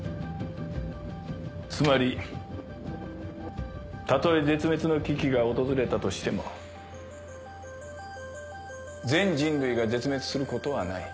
つまりたとえ絶滅の危機が訪れたとしても全人類が絶滅することはない。